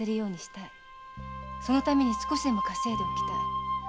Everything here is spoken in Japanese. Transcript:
そのために少しでも稼いでおきたい。